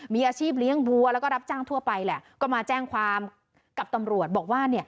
มีอาชีพเลี้ยงวัวแล้วก็รับจ้างทั่วไปแหละก็มาแจ้งความกับตำรวจบอกว่าเนี่ย